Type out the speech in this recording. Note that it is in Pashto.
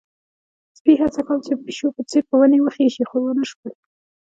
سپي هڅه کوله چې د پيشو په څېر په ونې وخيژي، خو ونه شول.